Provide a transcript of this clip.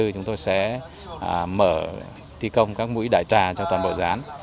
chúng tôi sẽ mở thi công các mũi đải trà cho toàn bộ dự án